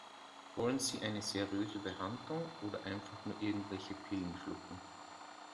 Wollen Sie eine seriöse Behandlung oder einfach nur irgendwelche Pillen schlucken?